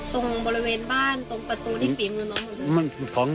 ตรงบริเวณบ้านตรงประตูที่ขี่มือมึง